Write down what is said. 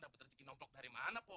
dapat terciptakan dari mana kok